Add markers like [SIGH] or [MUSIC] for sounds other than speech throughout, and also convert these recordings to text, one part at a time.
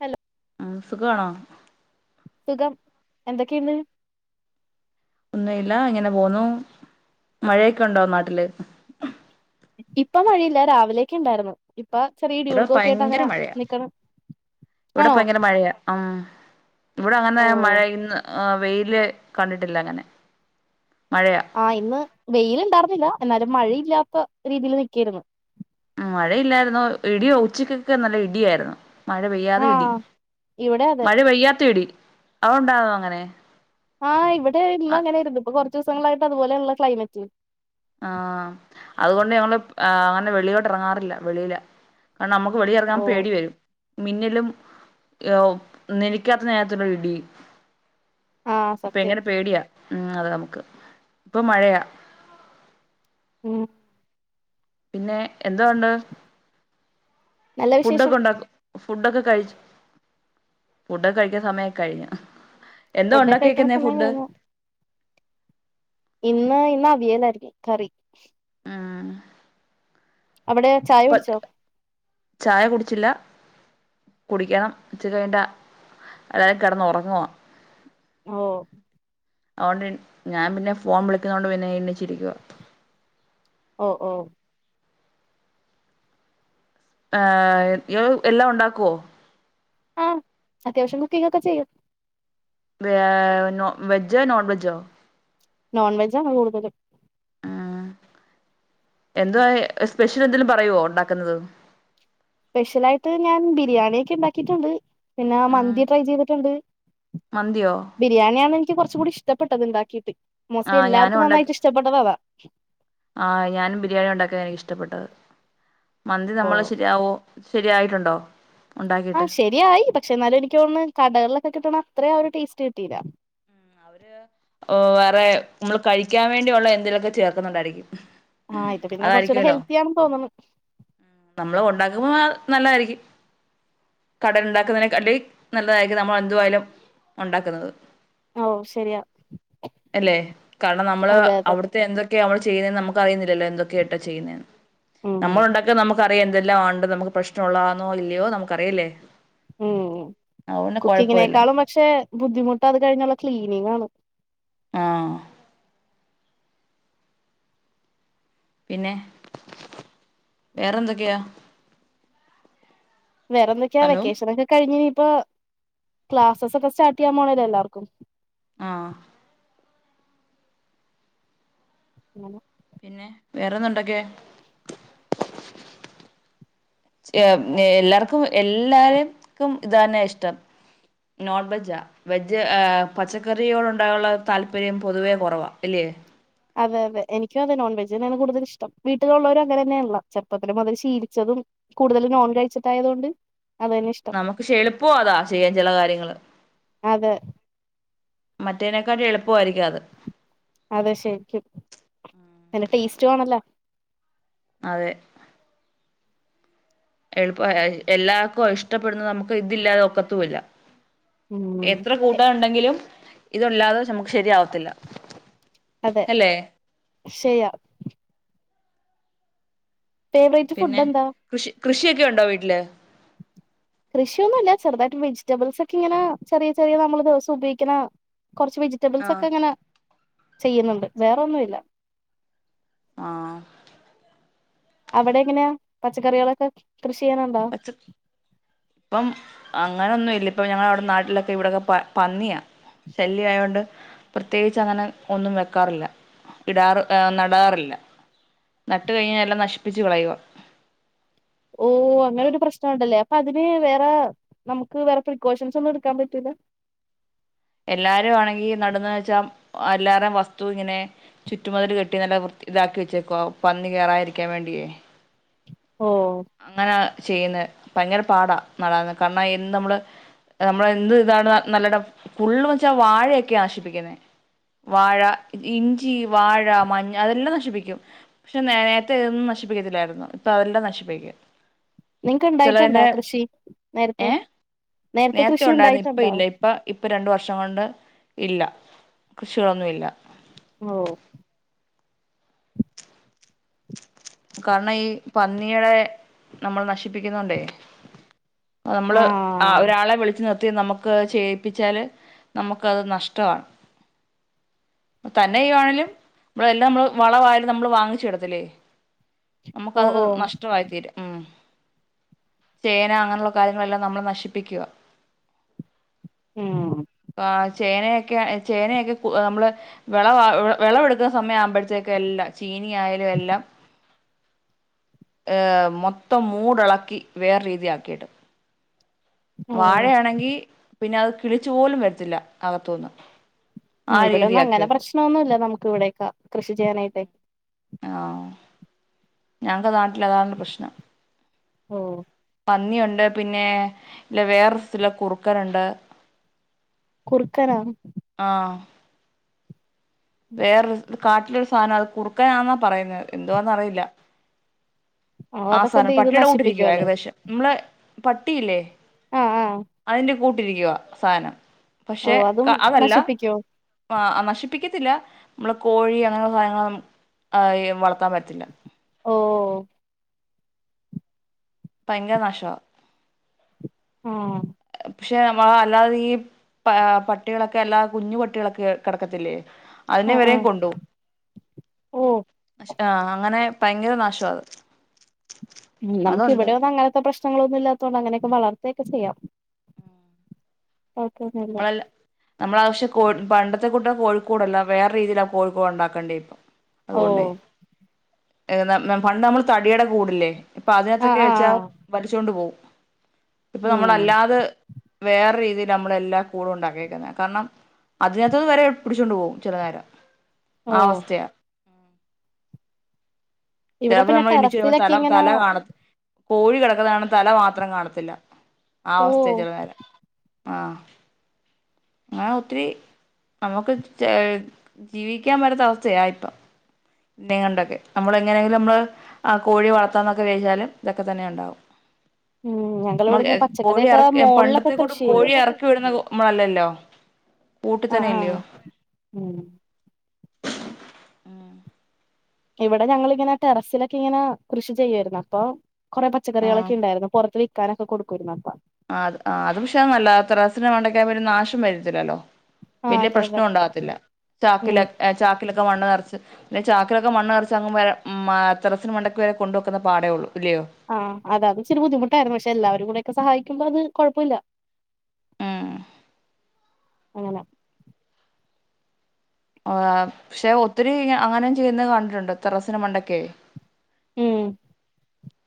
Hello സുഖവാണോ സുഖം എന്തൊക്കെ ഇണ്ട് ഒന്നും ഇല്ല ഇങ്ങനെ പോവുന്നു മഴയൊക്കെ ഉണ്ടോ നാട്ടില് ഇപ്പോ മഴയില്ല രാവിലെക്കെ ഉണ്ടായിരുന്നു ഇപ്പോ ചെറിയ ഇവിടെ ഇടികുടുക്ക്‌ക്കെയായിട്ട് ഭയങ്കര അങ്ങനെ മഴയാ നിക്കണ് ആണോ ആഹ് ഇവിടെ അങ്ങനെ ഓ മഴയിന്ന് ആഹ് വെയില് കണ്ടിട്ടില്ല അങ്ങനെ മഴയാ ആഹ് ഇന്ന് വെയില് ഇണ്ടായിർന്നില്ല എന്നാലും മഴയില്ലാത്ത രീതിയിൽ നിക്കേര്ന്ന് ഉം മഴയില്ലായിരുന്നു ഇടിയോ ഉച്ചക്കൊക്കെ നല്ല ഇടിയായിരുന്നു മഴ പെയ്യാതെ ആ ഇടി ഇവിടെ അതെ മഴ പെയ്യാത്ത ഇടി അവടെണ്ടാവോ അങ്ങനെ ആഹ് ഇവിടെ ഇന്ന് അങ്ങനേര്ന്ന് ഇപ്പോ കുറച്ച് ദിവസങ്ങളായിട്ട് അതുപോലേണലൊ ക്ലൈമറ്റ് ആഹ് അതുകൊണ്ട് ഞങ്ങള് അങ്ങനെ വെളിലോട്ട് ഇറങ്ങാറില്ല വെളിയില് കാരണം നമുക്ക് വെളിയിൽ ഇറങ്ങാൻ ഓ പേടി വരും മിന്നലും ഒഹ് നിനക്കാത്ത നേരത്തിലുള്ള ഒര് ഇടിയും ആ സത്യം ഭയങ്കര പേടിയാ ഉം അത് നമുക്ക് ഇപ്പോ മഴയാ മം പിന്നെ എന്തോഒണ്ട് നല്ല വിശേഷം ഫുഡൊക്കെ ഉണ്ടാക്കു ഫുഡൊക്കെ കഴിചൊ ഫുഡൊക്കെ കഴിക്കാൻ സമയൊക്കെ കഴിഞ്ഞു എന്താ ഫുഡൊക്കെ കഴിക്കണ ഒണ്ടാക്കിയേക്കുന്നേ സമയം ഫുഡ് കഴിഞ്ഞു ഇന്ന് ഇന്ന് അവിയലായിരിന്നു കറി ഉം അവിടെയോ ചായ കുടിച്ചില്ല കുടിക്കണം ഇച്ചിരി കഴിഞ്ഞിട്ട് എല്ലാരും കിടന്ന് ഒറങ്ങുവാ ഓഹ് അതോണ്ട് ഞാൻ പിന്നെ ഫോൺ വിളിക്കുന്നുന്നതുകൊണ്ട് പിന്നെ എണ്ണിച്ചിരിക്കുവാ ഓഹ് ഓഹ് ആഹ് ഇയാള് എല്ലാം ഉണ്ടാക്കുവോ ആഹ് അത്യാവശ്യം കുക്കിംഗ് ഒക്കെ ചെയ്യും ഏഹ് വെജോ നോൺ വെജോ നോൺ വെജാണ് കൂടുതല് ഉം എന്തുവാ സ്പെഷ്യൽ എന്തേലും പറയുവോ ഉണ്ടാക്കുന്നത് സ്പെഷ്യലായിട്ട് ഞാൻ ബിരിയാണി ഒക്കെ ഇണ്ടാക്കിയിട്ടുണ്ട് പിന്നെ ഉം മന്തി ട്രൈ ചെയ്തിട്ടുണ്ട് മന്തിയോ ബിരിയാണിയാണ് എനിക്ക് കുറച്ച് കൂടി ഇഷ്ടപ്പെട്ടത് ഇണ്ടാക്കിയിട്ട് മോസ്റ്റ്ലി ആഹ് ഞാനും എല്ലാവർക്കും ഉണ്ടാക്കി നന്നായിട്ട് ഇഷ്ടപ്പെട്ടത് അതാ ആഹ് ഞാനും ബിരിയാണി ഉണ്ടാക്കിയതാ എനിക്ക് ഇഷ്ടപ്പെട്ടത് മന്തി നമ്മള് ശരിയാവോ ശരിയായിട്ടുണ്ടോ ഉണ്ടാക്കിട്ട് മന്തിയായി പക്ഷേ എന്നാലും എനിക്ക്തോന്ന്ന്ന് കടകളിലൊക്കെ കിട്ടണ അത്ര ആ ഒരു ടേസ്റ്റ് കിട്ടിയില്ല ഓഹ് വേറെ നമ്മള് കഴിക്കാൻ വേണ്ടിയൊള്ള എന്തേലും ഒക്കെ ചേർക്കുന്നോണ്ടായിരിക്കും ആഹ് ഇത് പിന്നെ കുറച്ചുകൂടെ ഹെൽത്തി ആണെന്ന് തോന്ന്ന്നു നമ്മള് ഉണ്ടാക്കുമ്പോ നല്ലതായിരിക്കും കടേല് ഉണ്ടാക്കുന്നതിനെകാട്ടി നല്ലതായിരിക്കും നമ്മൾ എന്തുവായാലും ഉണ്ടാക്കുന്നത് ഓ ശരിയാ അല്ലെ കാരണം നമ്മള് അതെ അതെ അവിടുത്തെ എന്തൊക്കെയാ അവര് ചെയ്യുന്നതെന്ന് നമുക്ക് അറിയുന്നില്ലല്ലോ എന്തൊക്കെയിട്ടാ ചെയ്യുന്നേന്ന് ഉം നമ്മൾ ഉം ഉണ്ടാക്കിയാൽ നമുക്ക് അറിയാം എന്തെല്ലാം ഒണ്ട് നമുക്ക് പ്രശ്നം ഉള്ളാന്നോ ഇല്ലയോ നമുക്ക് അറിയാം ഇല്ലേ ഉം കുക്കിങ്ങിനേക്കാളും പക്ഷേ ബുദ്ധിമുട്ട് അത് കഴിഞ്ഞുള്ള ക്ലീനിങ്ങ് ആണ്. ആഹ് പിന്നെ വേറെന്തൊക്കെയാ? വേറെ എന്തൊക്കെയാ ഹലോ വെക്കേഷൻ ഒക്കെ കഴിഞ്ഞ് ഇനിയിപ്പോ ക്ലാസസ് ഒക്കെ സ്റ്റാർട്ട് ചെയ്യാൻ പോണല്ലേ എല്ലാവർക്കും ആഹ് [INAUDIBLE] പിന്നെ വേറെന്താ ഉണ്ടാക്കിയെ എല്ലാർക്കും എല്ലാരെക്കും ഇതാന്നെ ഇഷ്ട്ടം നോൺവെജാ വെജ് പച്ചക്കറിയോട് ഉണ്ടാവോള്ള താല്പര്യം പൊതുവേ കുറവാ ഇല്ലേ അതെ അതെ എനിക്കും അതെ നോൺ വെജന്നെയാണ് കൂടുതൽ ഇഷ്ട്ടം വീട്ടിലുള്ളോര് അങ്ങെനെന്നെ ആണല്ലോ ചെറുപ്പത്തിലും മുതൽ ശീലിച്ചതും കൂടുതലും നോൺ കഴിച്ചിട്ടായതുകൊണ്ട് അതന്നെ ഇഷ്ടം നമുക്ക് ശേളുപ്പവും അതാ ചെയ്യാൻ ചെല കാര്യങ്ങള് അതെ മറ്റേെനെക്കാട്ടി എളുപ്പമായിരിക്കും അത് അതെ ശരിക്കും നല്ല ടേസ്റ്റ്ണല്ലാ. അതെ എളുപ്പാ എല്ലാർക്കും ഇഷ്ടപ്പെടുന്ന് നമുക്ക് ഇതില്ലാതെ ഒക്കത്തുല്ല ഉം എത്ര എ- കൂട്ടാൻ ഉണ്ടെങ്കിലും ഇതില്ലാതെ നമുക്ക് ശരിയാവത്തില്ല. അതെ അല്ലേ ഫേവറേറ്റ് ഫുഡ് പിന്നെ എന്താ? കൃഷി കൃഷിയൊക്കെ ഉണ്ടോ വീട്ടിൽ? കൃഷിയൊന്നുല്ല ചെറുതായിട്ട് വെജിറ്റബിൾസെക്കെ ഇങ്ങനെ ചെറിയ ചെറിയ നമ്മള് ദിവസം ഉപയോഗിക്ക്ണ കോറച്ച് വെജിറ്റബിൾസ് ആഹ് ഒക്കെ ഇങ്ങനെ ചെയ്യുന്നുണ്ട്. വേറോന്നുല്ല ആഹ് അവിടെ എങ്ങനെയാ പച്ചക്കറികളൊക്കെ കൃഷി ചെയ്യണുണ്ടോ? ആഹ് ഇപ്പം അങ്ങനൊന്നും ഇല്ല ഇപ്പ ഞങ്ങളവിടെ നാട്ടിലൊക്കെ ഇവിടോക്കെ പന്നിയാ ശല്ല്യംആയൊണ്ട് പ്രത്യേകിച്ച് അങ്ങനെ ഒന്നും വെക്കാറില്ല. നടാറില്ല നട്ട് കഴിഞ്ഞ എല്ലാം നശിപ്പിച്ച് കളയുവാ ഓ അങ്ങനെ അത് ഒരു പ്രശ്നംണ്ടല്ലേ അപ്പൊ അ പിന്നെ വേറെ നമുക്ക് വേറെ പ്രിക്കോഷൻസ് ഒന്നും എടുക്കാൻ പറ്റൂല്ല. എല്ലാരും ആണെങ്കി നട്ന്നെ വെച്ചാ എല്ലാരേം വസ്തു ഇങ്ങനെ ചുറ്റുമതിൽ കെട്ടി നല്ല വൃത്തി ഇതാക്കി വെച്ചേക്കുവാ. പന്നി കേറാതിരിക്കാൻ വേണ്ടിയേ ഓഹ് അങ്ങനെ ചെയ്യുന്നത് ഭയങ്കര പാടാ നടാന് കാരണം അയിന് നമ്മള് നമ്മൾ എന്ത് ഇതാണ് നല്ലടം ഫുള്ള്ന്ന് വെച്ചാ വാഴയൊക്കെ നശിപ്പിക്കുന്നേ വാഴ ഇഞ്ചി വാഴ മഞ്ഞ അതെല്ലാം നശിപ്പിക്കും. പക്ഷെ നേരത്തെ ഇതൊന്നും നശിപ്പിക്കത്തില്ലായിരുന്നു. ഇപ്പൊ അതെല്ലാം നശിപ്പിക്കും നിങ്ങക്ക് ഇണ്ടായിട്ട്ണ്ടോ ചിലതിന്റെ കൃഷി നേരത്തെ ഏ നേരത്തെ കൃഷി ഇണ്ടായിട്ട്ണ്ടോ? ഇപ്പ ഇപ്പ രണ്ട് വർഷം കൊണ്ട് ഇല്ല കൃഷികളൊന്നും ഇല്ല ഓഹ് കാരണം ഈ പന്നിയടെ നമ്മൾ നശിപ്പിക്കുന്നോണ്ടേ നമ്മള് ആ ആഹ് ഒരാളെ വിളിച്ച് നിർത്തി നമുക്ക് ചെയ്യിപ്പിച്ചാല് നമുക്ക് അത് നഷ്ടാണ്. തന്നെ ചെയ്യുവാണേലും എല്ലാം നമ്മള് വളവായാലും നമ്മള് വാങ്ങിചെടത്തില്ലേ ഓ നമുക്കത് ഓ നഷ്ടവായി തീരും ചേന അങ്ങനെയുള്ള കാര്യങ്ങളെല്ലാം നമ്മൾ നശിപ്പിക്കുവാ മ് ആഹ് ചേനയൊക്കെ ചേനയൊക്കെ ക്ക് നമ്മള് വെളവാ വെളവെടുക്കുന്ന സമയം ആവുമ്പഴത്തേക്ക് എല്ലാം ചീനി ആയാലും എല്ലാം ഏഹ് മൊത്തം മൂടിളക്കി വേറെ രീതിയാക്കിയിടും ഓ വാഴയാണെങ്കി പിന്നെ അത് കിളിച്ചു പോലും വരത്തില്ല അകത്തുന്ന് ആഹ് ഇവിടൊന്നും അങ്ങനെ പ്രശ്നൊന്നുല്ല നമുക്ക് ഇവിടൊക്കെ കൃഷി ചെയ്യാനായിട്ടേ ആഹ് ഞങ്ങക്ക് നാട്ടിൽ അതാണ് പ്രശ്നം ഓഹ് പന്നിയുണ്ട് പിന്നെ ഇല്ല വേറെ ഒരത്തിലെ കുറുക്കനുണ്ട് കുർക്കനോ ആഹ് വേറെര്കാട്ടിലൊരുസാനംഅത് കുറുക്കാനാന്നാപറയുന്നെഎന്തോ ന്നറിയില്ല ഓ ആഹ് അതൊക്കെ എന്ത് സാനം ചെയ്ത് നശിപ്പിക്കും പട്ടിയുടെകൂട്ടിരിക്കുവ അല്ലേ ഏകദേശം മ്മള പട്ടിയില്ലേ ആഹ് ആഹ് അയ്ന്റെ കൂട്ടിരിക്വ സാനം ഓ അതും പഷേക്കഅതല്ല നശിപ്പിക്കോ പാ അഹ് നശിപ്പിക്കത്തില്ല മ്മളെകോഴി അങ്ങനുള്ള സാനങ്ങളെഅയ് വളർത്താൻ പറ്റില്ല ഓഹ് പയങ്കര നാശ്വ ആഹ് പക്ഷെ മ്മളെ അല്ലാതെ ഈ പാ പട്ടികളൊക്കെ അല്ലാ കുഞ്ഞു പട്ടികളൊക്കെ കടക്കത്തില്ലേ അയ്ന് ആഹ് ആഹ് വെരെകൊണ്ടൊ ഓ [UNINTELLIGIBLE] ആഹ്അങ്ങനെ പയങ്കര നാശ്വത് ഉം നമുക്ക് ഇവടെന്നും അങ്ങനത്തെ പ്രശ്നങ്ങളൊന്നും ഇല്ലാത്തൊണ്ട് അങ്ങനെക്കെ വളർതെക്കെ ചെയ്യാ ഒക്കെന്നല്ല നമ്മളല്ല നമ്മള ആവശ്യ കോ പണ്ടത്തെ കൂട്ട കോഴിക്കൂടല്ല വേറെ രീതിൽആകോഴ് ക്കൂട്ഉണ്ടാക്കണ്ടേ ഇപ്പ ഓ അതുകൊണ്ടയ് [UNINTELLIGIBLE] പണ്ട് നമ്മൾ തടിയട കൂടില്ലേ ഇപ്പൊ ആഹ് അതിനത്ത്ക്കേ ആഹ് ആഹ് വലിച്ചോണ്ട് പോവും പ്പൊ ഉം നമ്മളല്ലാതെ വേറെ രീതിയിൽ നമ്മളെല്ലാ കൂട് ഉണ്ടാക്കിക്കുന്നെ കർണം അതിനത്ത്ന് വരെ പുടിചോണ്ട് പോവുംചിലനേരം ഓ ആവസ്ഥയാ ഇവിടെ ചില്പൊ പിന്നെ നമ്മള്ണിച്ചവരുമ്പോ ടെറസിലൊക്കെ തല ഇങ്ങനെ തല കാണത്ത് കോഴി കിടക്കുന്നര്ണ തല മാത്രം കാണത്തില്ല ഓ ആവസ്തെ ചെലനേരം ആഹ് ങ്ങനെ ഒത്തിരി നമുക്ക് ജെ ജീവിക്കാൻ പറ്റാത്ത അവസ്ഥയാ ഇപ്പം [UNINTELLIGIBLE] ങ്ങണ്ടൊക്കെ അമ്മള് എങ്ങനെങ്കിലും മ്മൾ ആ ഹ് കോഴി വളർത്താന്നൊക്കെ വേച്ചാല് ഇതൊക്കെതന്നെണ്ടാവും ഉം മ്മ ഞങ്ങളിവിടെങ്ങനെ കോഴി പച്ചക്കറിയൊക്കെ എറക്യ മോളിലൊക്കെ പണ്ടത്തെക്കുടു കൃഷി ചെയ്യും കോഴിഎറക്കിവിടുന്ന ഇമ്മളല്ലല്ലോ കൂട്ട് ആഹ് ആഹ് തന്നെല്യോ ഉം ഇവടെഞങ്ങളിങ്ങനെ ടെറസിലൊക്യ ങ്ങനകൃഷിചെയ്യെര്ന്നു അപ്പൊ കൊറേ ആഹ് പച്ചക്കറികളൊക്കെ ണ്ടായിരുന്നു പൊറത്ത്വിക്കാനൊക്കെ കൊടുക്കുരുന്നുപ്പ ആ ആ അത് ക്ഷെ നല്ല ത്രസിനം വണ്ടയ്ക്കാൻ വറ്റും നാശം വരത്തില്ലല്ലോ ആഹ് അതെ അതെ വെല്യപ്രശ്നം ഉണ്ടാകത്തില്ല ഉം ചാക്കിലെ ചാക്കിലക്കെ മണ്ണ് നർച്ച് ന്നെചാക്കിലൊക്കെ മണ്ണ്നർച്ച് അങ്ങും വ മ ത്റസിന് മണ്ടക്ക്വെരെ കൊണ്ടൊക്കുന്ന പാടേഒള്ളൂ ഇല്ല്യോ ആഹ് അതെ അത് ഇച്ചിരി ബുദ്ധിമുട്ടായിരുന്നു പക്ഷെ എല്ലവരുംക്കൂടെക്കെ സഹായികുമ്പോ അത് കൊഴപ്പൊല്ല്യ ഉം അങ്ങനെ ആഹ് ക്ഷെ ഒത്തിരി അങ്ങനെ ചെയ്യുന്നത് കണ്ടിട്ടുണ്ട് തെറസിന് മണ്ടകെയ്‌ ഉം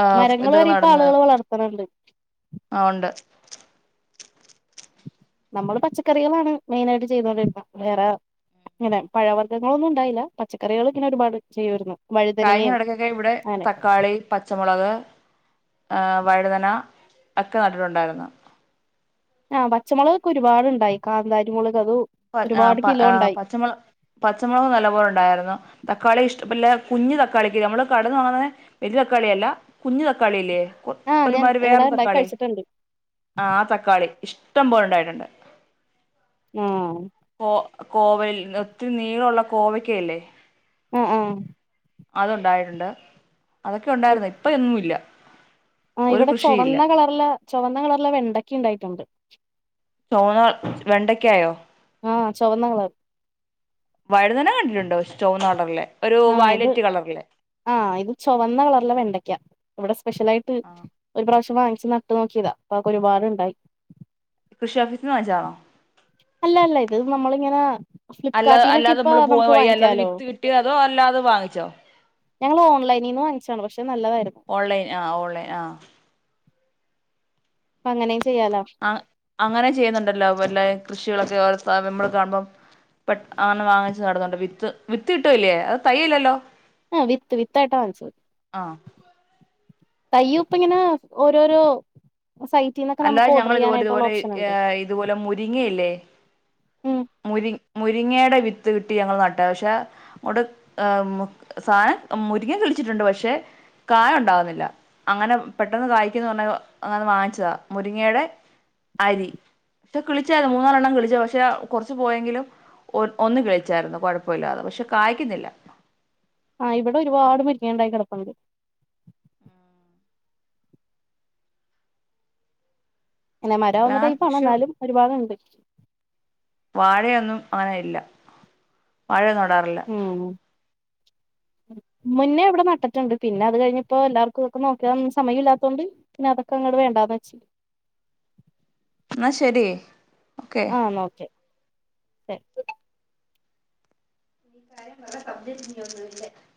ആ ഇതൊക്കെ മരങ്ങൾവരെ ഇപ്പആളുകള് വളർതത്ത്ണ് ണ്ട് ആഹ് ഉണ്ട് നമ്മള് പച്ചക്കറികളാണ് മെയ്നായിട്ട് ചെയ്തോണ്ടിരിക്കു വേറെ ഇങ്ങനെ പഴവർഗങ്ങളൊന്നും ഉണ്ടായില്ല പച്ചക്കറികൾ ഇങ്ങനെ ഒരുപാട് ചെയ്യൂആർന്നു കഴിഞ്ഞടക്കൊക്കെ ഇവടെ തക്കാളി പച്ചമുളക് ആ വഴുതനഒക്കെ നട്ടിട്ടുണ്ടായിരുന്നു ആഹ് പച്ചമുളകൊക്കെ ഒരുപാടുണ്ടായി കാന്താരിമുളക് അതു ആഹ് പ ആഹ് പ പച്ചമൊള പച്ചമൊളക് നല്ലപോലെണ്ടാര്ന്ന് തക്കാളി ഇഷ്ടം ഇല്ലെകുഞ്ഞ് തക്കാളിക്ക് നമ്മള് കടേന്നു വാങ്ങുന്നെ വെല്യതക്കാളിയെല്ല കുഞ്ഞു തക്കാളില്ലേ ഒ ആഹ് ഞാൻ ഒരുമാതിരി ഇവിടെ വേറൊരു ഉണ്ടാക്കി തക്കാളി കഴിച്ചിട്ടുണ്ട് ആഹ് ആ തക്കാളി ഇഷ്ടംപോലെ ഉണ്ടായിട്ടുണ്ട് ആഹ് കോ കോവല് ഒത്തിരി നീളവുള്ള കോവക്യഇല്ലേ ആഹ് ആഹ് അതുണ്ടായിട്ടുണ്ട് അതൊക്കെ ഉണ്ടായിരുന്നു ഇപ്പൊ എങ്ങുംഇല്ല ആഹ് ഇവിടെ ചൊവന്ന കളറിലെ ചൊവന്ന കളറിലെ വെണ്ടക്ക ഉണ്ടായിട്ടുണ്ട് ചൊവന്ന വെണ്ടക്കായോ ആഹ് ചൊവന്ന കളറ് വഴുതന കണ്ടിട്ടുണ്ട് ഒരു ചൊവന്ന കളറിലേ ഒരു ആഹ് ഇത് വയലറ്റ് കളറില്ലേ ആഹ് ഇത് ചൊവന്ന കളറിലെ വെണ്ടക്ക ഇവിടെ സ്പെഷ്യൽ ആയിട്ട് ആ ഒരു പ്രാവശ്യം വാങ്ങിച്ച് നട്ട് നോക്കിയതാ അപ്പൊ ഒരുപാടുണ്ടായി കൃഷി ഓഫീസിൽ നിന്ന് വാങ്ങിച്ചതാണോ അല്ല അല്ല ഇത് നമ്മളിങ്ങനെ അല്ല ഫ്ലിപ്കാർട്ടീന്നൊക്കെ അല്ലാതെ ഇപ്പ നമ്മള് പോയ നമുക്ക് വഴി അല്ലാതെ വാങ്ങിക്കാലോ വിത്ത് കിട്ടിയോ അതോ അല്ലാതെ വാങ്ങിച്ചോ ഞങ്ങൾ ഓൺലൈനിന്ന് വാങ്ങിച്ചതാണ് പക്ഷെ നല്ലതായിരുന്നു ഓൺലൈൻ ആഹ് ഓൺലൈൻ ആഹ് അപ്പൊ അങ്ങനെയും ചെയ്യാലോ ആഹ് അങ്ങനെ ചെയ്യുന്നുണ്ടല്ലോ അല്ല കൃഷികളൊക്കെ ഓ നമ്മള് കാണുമ്പം പെ അങ്ങനെ വാങ്ങിച്ച് നട്ന്നൊണ്ട് വിത്ത് വിത്ത് കിട്ടുവല്ലേ അത് തയ്യല്ലല്ലോ ആഹ് വിത്ത് വിത്തായിട്ടാ വാങ്ങിച്ചത് ആ തൈയ്യും ഇപ്പ ഇങ്ങനെ ഓരോരോ സൈ അല്ലാതെ ഞങ്ങള് ഇതുപോലെ ഇതുപോലെ ഇതുപോലെ മുരിങ്ങിയില്ലേ ഉം മുരി മുരിങ്ങയുടെ വിത്ത് കിട്ടി ഞങ്ങൾ നട്ടത പക്ഷെ അവിടെ സാധനം മുരിങ്ങ കിളിച്ചിട്ടുണ്ട് പക്ഷെ കായ് ഉണ്ടാവുന്നില്ല അങ്ങനെ പെട്ടെന്ന് കായിക്കുമെന്ന് പറഞ്ഞ് അങ്ങനെ വാങ്ങിച്ചതാ മുരിങ്ങയുടെ അരി പറ്റെ കിളിച്ചതാ അരി കിളിച്ചതാ മൂന്നാലെണ്ണം കിളിച്ചതാ പക്ഷെ കുറച്ചു പോയെങ്കിലും ഒ ഒന്നു കിളിച്ചായിരുന്നു കുഴപ്പമില്ലാതെ പക്ഷെ കായ്ക്കുന്നില്ല ആഹ് ഇവിടെ ഒരുപാട് മുരിങ്ങ ഉണ്ടായി കിടപ്പുണ്ട് പിന്നെ മരാവുന്ന ആ ടൈപ്പാണ് കൃഷി എന്നാലും ഒരുപാടുണ്ട് വാഴയൊന്നും അങ്ങനെ ഇല്ല വാഴയൊന്നും നടാറില്ല ഉം മുന്നേ ഇവിടെ നട്ടിട്ടുണ്ട് പിന്നെ അത് കഴിഞ്ഞപ്പോ എല്ലാർക്കും ഒക്കെ നോക്കാൻ സമയം ഇല്ലാത്തൊണ്ട് പിന്നെ അതൊക്കെ അങ്ങട് വേണ്ടന്ന് വച്ചു എന്നാ ശരി ഓക്കെ ആഹ് എന്നാ ഓക്കേ ശരി [UNINTELLIGIBLE]